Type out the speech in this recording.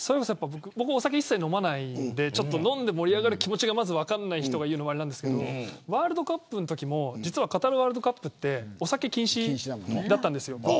僕は、一切お酒飲まないんで飲んで盛り上がる気持ちが分からない人が言うのもあれですけどワールドカップのときもカタールワールドカップはお酒禁止だったんです。